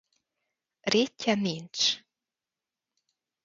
Rétje nincs.